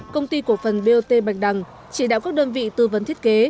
công ty cổ phần bot bạch đằng chỉ đạo các đơn vị tư vấn thiết kế